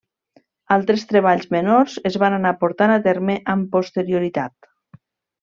Altres treballs menors es van anar portant a terme amb posterioritat.